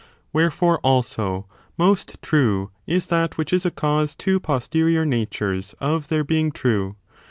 Wherefore, also, most true is that which is a cause to posterior natures of their being true.